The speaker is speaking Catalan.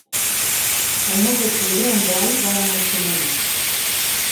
El nou d'octubre en Blai vol anar al cinema.